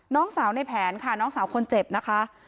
น้องสาวในแผนค่ะน้องสาวคนเจ็บนะคะ